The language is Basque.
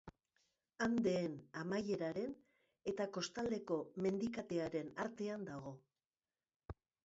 Andeen amaieraren eta Kostaldeko mendikatearen artean dago.